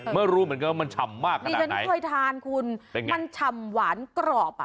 เมื่อรู้เหมือนกันว่ามันฉ่ำมากขนาดไหนเป็นไงมันฉ่ำหวานกรอบอะ